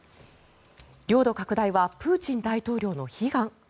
領土拡大はプーチン大統領の悲願？